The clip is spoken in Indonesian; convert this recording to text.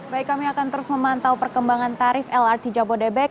baik kami akan terus memantau perkembangan tarif lrt jabodebek